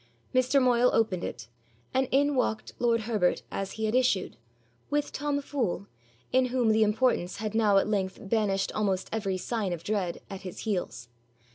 Mr. Moyle opened it, and in walked lord Herbert as he had issued, with Tom Fool, in whom the importance had now at length banished almost every sign of dread, at his heels.